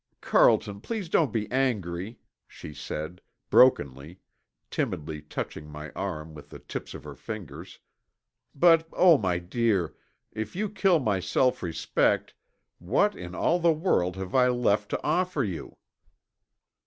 "Carlton, please don't be angry," she said, brokenly, timidly touching my arm with the tips of her fingers, "but, oh, my dear, if you kill my self respect what in all the world have I left to offer you!"